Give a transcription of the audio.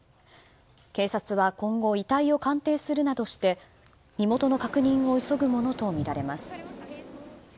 警察は今後遺体を鑑定するなどして身元の確認を急ぐものとみられます。